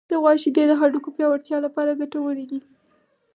د غوا شیدې د هډوکو پیاوړتیا لپاره ګټورې دي.